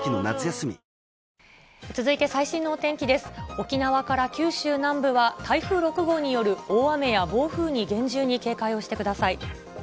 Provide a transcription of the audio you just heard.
沖縄から九州南部は、台風６号による大雨や暴風に厳重に警戒をしてください。